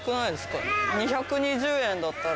２２０円だったら。